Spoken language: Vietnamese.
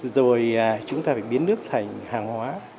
rồi chúng ta phải biến nước thành hàng hóa